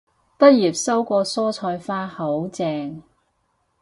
畢業收過蔬菜花，好正